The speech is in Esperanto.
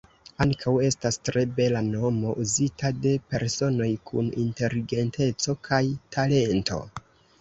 Ankaŭ estas tre bela nomo, uzita de personoj kun inteligenteco kaj talento.